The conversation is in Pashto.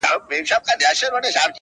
مُلا مي په زر ځله له احواله دی پوښتلی-